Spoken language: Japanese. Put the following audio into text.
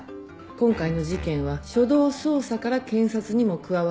今回の事件は初動捜査から検察にも加わってほしいって。